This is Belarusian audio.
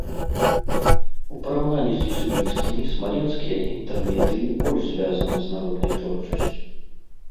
У параўнанні з езуіцкімі смаленскія інтэрмедыі больш звязаны з народнай творчасцю.